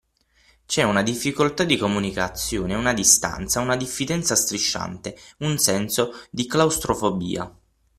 C’è una difficoltà di comunicazione, una distanza, una diffidenza strisciante, un senso di claustrofobia.